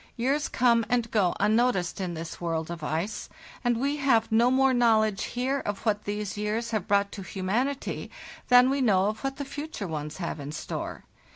Years come and go unnoticed in this world of ice, and we have no more knowledge here of what these years have brought to humanity than we know of what the future ones have in store.